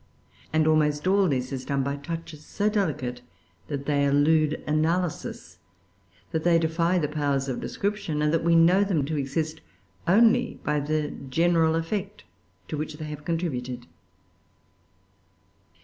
And almost all this is done by touches so delicate, that they elude analysis, that they defy the powers of description, and that we know them to exist only by the general effect to which they have contributed.